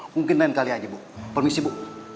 mungkin lain kali aja bu permisi bu